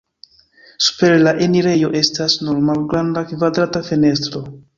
Super la enirejo estas nur malgranda kvadrata fenestro.